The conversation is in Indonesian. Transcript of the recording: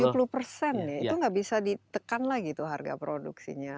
itu nggak bisa ditekan lagi tuh harga produksinya